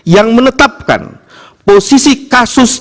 yang menetapkan posisi kasus